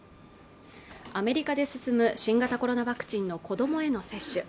アメリカで進む新型コロナワクチンの子どもへの接種